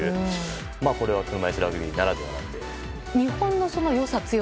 これは車いすラグビーならではなので。